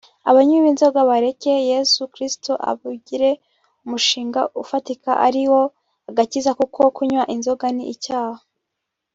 Abanywi b’inzoga bareke Yesu Kristo abigire umushinga ufatika ari wo agakiza kuko kunywa inzoga ni icyaha